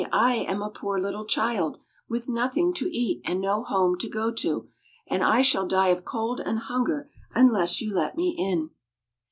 I am a poor little child, with nothing to eat, and no home to go to, and I shall die of cold and hunger unless you let me in."